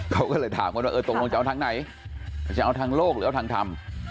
เขาก็เลยถามกันว่าเออตกลงจะเอาทางไหนจะเอาทางโลกหรือเอาทางทำ